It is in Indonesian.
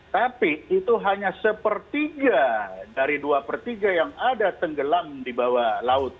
tapi itu hanya sepertiga dari dua per tiga yang ada tenggelam di bawah laut